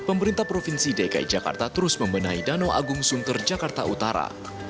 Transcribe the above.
pemerintah provinsi dki jakarta terus membenahi danau agung sunter jakarta utara